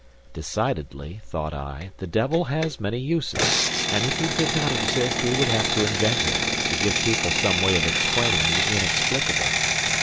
Decidedly, thought I, the devil has many uses; and if he did not exist we would have to invent him, to give people some way of explaining the inexplicable.